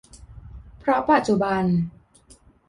เพราะปัจจุบัน